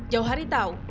jauh hari tahu